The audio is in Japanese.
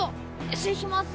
失礼します。